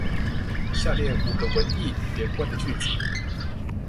下列五個文意連貫的句子